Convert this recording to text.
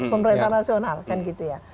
pemerintah nasional kan gitu ya